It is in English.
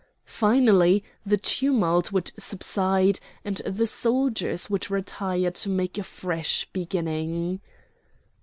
Finally the tumult would subside, and the soldiers would retire to make a fresh beginning.